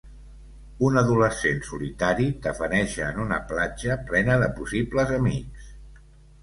Un adolescent solitari tafaneja en una platja plena de possibles amics.